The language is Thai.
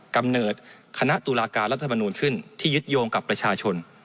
กำเนิดคณะตุลาการรัฐมนูลขึ้นที่ยึดโยงกับประชาชน